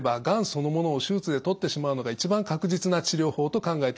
そのものを手術で取ってしまうのが一番確実な治療法と考えております。